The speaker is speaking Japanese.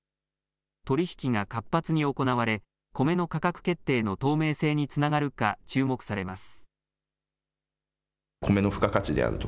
取り引きが活発に行われコメの価格決定の透明性につながるか注目されます。